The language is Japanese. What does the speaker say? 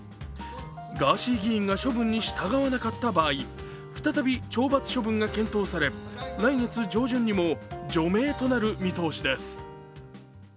ガーシー議員が処分に従わなかった場合、再び懲罰処分が検討され、来月上旬にも除名となる見通しです。